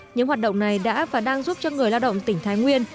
những hoạt động này đã và đang giúp cho người lao động tỉnh thái nguyên